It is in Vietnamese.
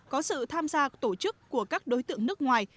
có sự tham gia tổ chức của các đối tượng nước ngoài